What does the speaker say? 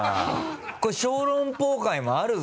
これ小籠包回もあるぞ！